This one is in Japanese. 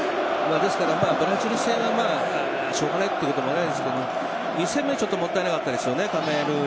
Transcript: ですからブラジル戦はしょうがないこともありますが２戦目、ちょっともったいなかったですよね。